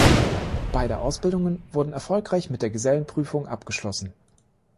Beide Ausbildungen wurden erfolgreich mit der Gesellenprüfung abgeschlossen.